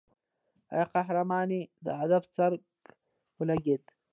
ای قهرمانې د هدف څرک ولګېد.